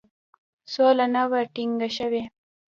سوله نه وه ټینګه شوې.